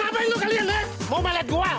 mau melet gua ha